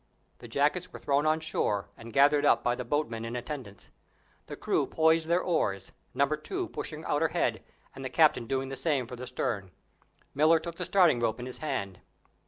The jackets were thrown on shore, and gathered up by the boatman in attendance. The crew poised their oars, Number Two pushing out her head, and the captain doing the same for the stern. Miller took the starting rope in his hand.